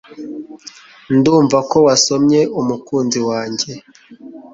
Ndumva ko wasomye umukunzi wanjye